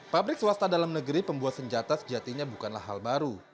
pabrik swasta dalam negeri pembuat senjata sejatinya bukanlah hal baru